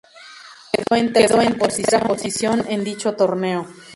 Quedó en tercera posición en dicho torneo.